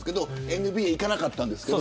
ＮＢＡいかなかったんですけど。